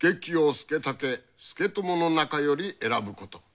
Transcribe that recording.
佐武佐智の中より選ぶこと。